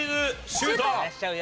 シュート！